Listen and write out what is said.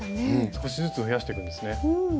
少しずつ増やしてくんですね。